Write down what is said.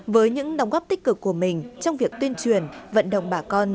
với những đóng góp tích cực của mình trong việc tuyên truyền vận động bà con